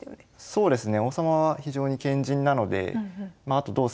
そうですね。